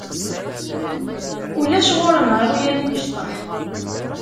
Ulac ɣur-neɣ iɣyal imecṭaḥ.